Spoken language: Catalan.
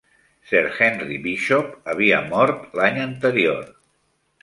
Sir Henry Bishop havia mort l'any anterior.